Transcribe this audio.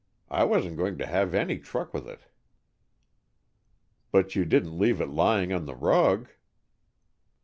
I wasn't going to have any truck with it." "But you didn't leave it lying on the rug?"